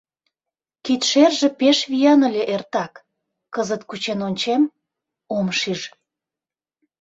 Кидшерже пеш виян ыле эртак, кызыт кучен ончем — ом шиж.